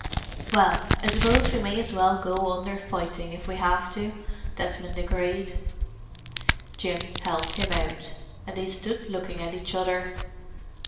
"Well, I suppose we may as well go under fighting if we have to," Desmond agreed. Jim helped him out, and they stood looking at each other.